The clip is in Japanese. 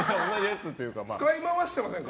使い回してませんか？